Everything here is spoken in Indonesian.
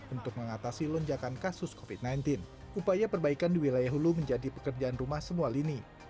untuk mengatasi lonjakan kasus covid sembilan belas upaya perbaikan di wilayah hulu menjadi pekerjaan rumah semua lini